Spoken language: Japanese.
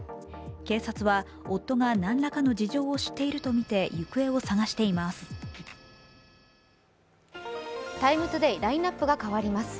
警察は夫が何らかの事情を知っているとみて行方を捜しています。